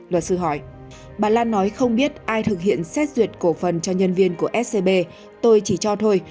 luật sư hỏi bà lan nói không biết ai thực hiện xét duyệt cổ phần cho nhân viên của scb tôi chỉ cho thôi